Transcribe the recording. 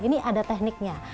ini ada tekniknya